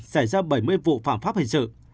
xảy ra bảy mươi vụ phạm pháp hành sự